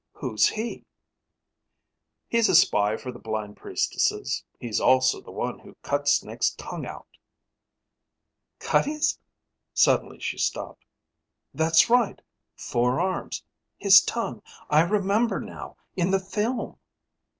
"Who's he?" "He's a spy for the blind priestesses. He's also the one who cut Snake's tongue out." "Cut his ?" Suddenly she stopped. "That's right: four arms, his tongue I remember now, in the film!"